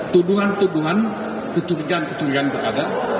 tuduhan tuduhan kecurigaan kecurigaan berada